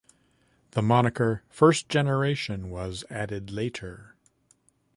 The moniker "First Generation" was added later.